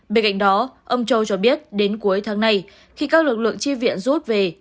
bên cạnh đó ông châu cho biết đến cuối tháng này khi các lực lượng tri viện rút về